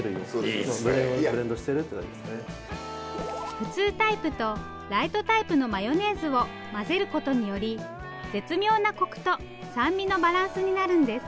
普通タイプとライトタイプのマヨネーズを混ぜることにより絶妙なコクと酸味のバランスになるんです。